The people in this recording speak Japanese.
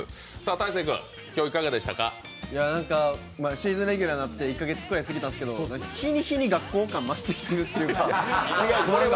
シーズンレギュラーになって１か月過ぎたんですけど日に日に学校感が増してきているというか。